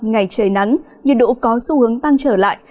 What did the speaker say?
ngày trời nắng nhiệt độ có xu hướng tăng trở lại